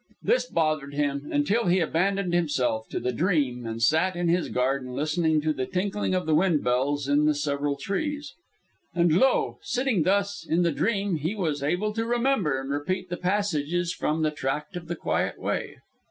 This bothered him, until he abandoned himself to the dream and sat in his garden listening to the tinkling of the windbells in the several trees. And lo! sitting thus, in the dream, he was able to remember and repeat the passages from "The Tract of the Quiet Way."